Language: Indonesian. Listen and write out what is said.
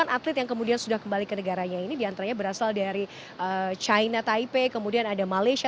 delapan atlet yang kemudian sudah kembali ke negaranya ini diantaranya berasal dari china taipei kemudian ada malaysia